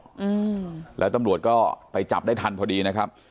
อืมแล้วตำรวจก็ไปจับได้ทันพอดีนะครับ